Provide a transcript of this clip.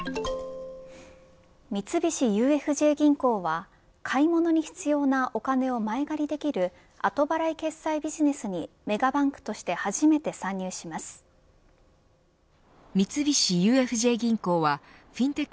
三菱ＵＦＪ銀行は買い物に必要なお金を前借りできる後払い決済ビジネスにメガバンクとして三菱ＵＦＪ銀行はフィンテック